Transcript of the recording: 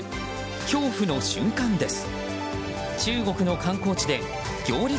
恐怖の瞬間です。